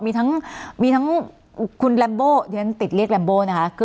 มีทั้งคุณลัมโบอย่างนั้นติดเรียกลัมโบนะคะ